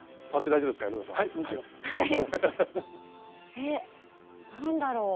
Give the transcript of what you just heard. えっ何だろう？